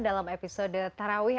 dalam episode taraweh